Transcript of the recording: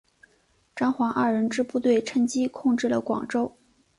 张黄二人之部队趁机控制了广州。